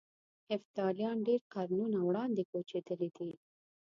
هفتالیان ډېر قرنونه وړاندې کوچېدلي دي.